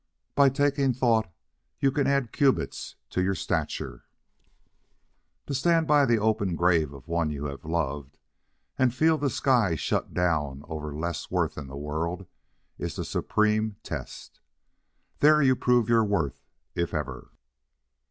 By taking thought you can add cubits to your stature. TO THE WEST To stand by the open grave of one you have loved, and feel the sky shut down over less worth in the world is the supreme test. There you prove your worth, if ever.